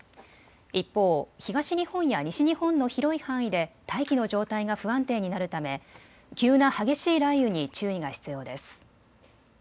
一方、東日本や西日本の広い範囲で大気の状態が不安定になるため急な激しい雷雨に注意が必要です。